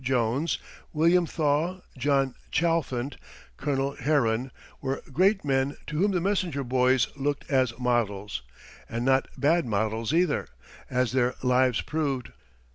Jones, William Thaw, John Chalfant, Colonel Herron were great men to whom the messenger boys looked as models, and not bad models either, as their lives proved.